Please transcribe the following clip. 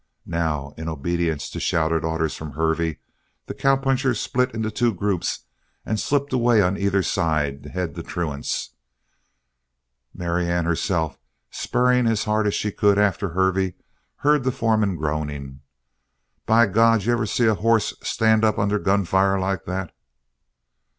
Now, in obedience to shouted orders from Hervey, the cowpunchers split into two groups and slipped away on either side to head the truants; Marianne herself, spurring as hard as she could after Hervey, heard the foreman groaning: "By God, d'you ever see a hoss stand up under gunfire like that?"